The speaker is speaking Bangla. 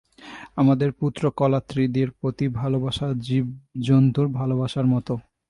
আমাদের পুত্রকলত্রাদির প্রতি ভালবাসা জীবজন্তুর ভালবাসার মত।